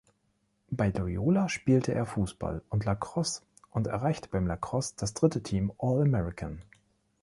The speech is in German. Bei Loyola spielte er Fußball und Lacrosse und erreichte beim Lacrosse das Dritte Team All-American.